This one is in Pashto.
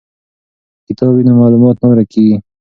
که کتاب وي نو معلومات نه ورک کیږي.